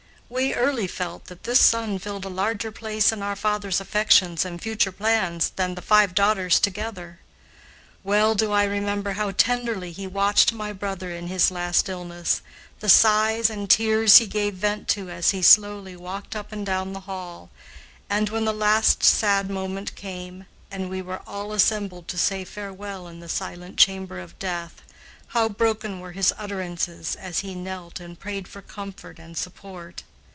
We early felt that this son filled a larger place in our father's affections and future plans than the five daughters together. Well do I remember how tenderly he watched my brother in his last illness, the sighs and tears he gave vent to as he slowly walked up and down the hall, and, when the last sad moment came, and we were all assembled to say farewell in the silent chamber of death, how broken were his utterances as he knelt and prayed for comfort and support.